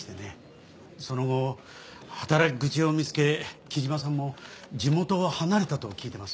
その後働き口を見つけ木島さんも地元を離れたと聞いてます。